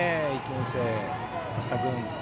１年生の増田君。